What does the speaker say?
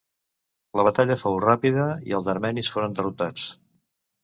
La batalla fou ràpida i els armenis foren derrotats.